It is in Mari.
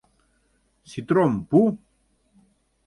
— Ситром пу!